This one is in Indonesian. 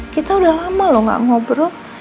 kita udah lama loh gak ngobrol